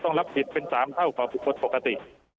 ต้องรับผิดเป็น๓เท่ากว่าผู้พจน์ปกติ